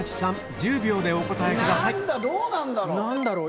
１０秒でお答えください何だろう？